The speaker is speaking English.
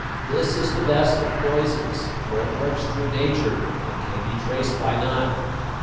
This is the best of poisons, for it works through nature and can be traced by none."